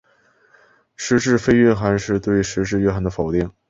实质非蕴涵是对实质蕴涵的否定。